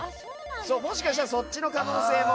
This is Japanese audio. もしかしたらそっちの可能性も。